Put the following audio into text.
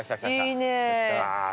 いいねぇ。